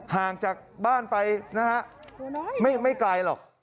ห่างจากบ้านไปนะฮะไม่ไกลหรอก